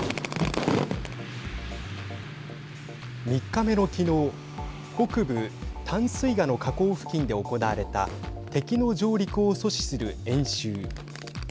３日目のきのう北部、淡水河の河口付近で行われた敵の上陸を阻止する演習。